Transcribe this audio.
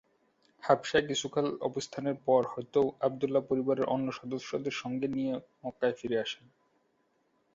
হাবশায় কিছুকাল অবস্থানের পর হযরত আবদুল্লাহ পরিবারের অন্য সদস্যদের সঙ্গে নিয়ে মক্কায় ফিরে আসেন।